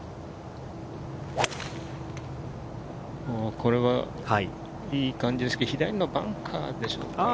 これはいい感じですが、左のバンカーでしょうか。